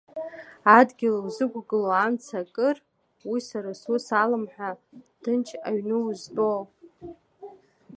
Адгьыл узықәгылоу амца акыр, уи сара сус алам ҳәа, ҭынч аҩны узтәоу?